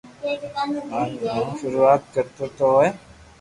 اج مون ݾروعات ڪرو تو ھوئي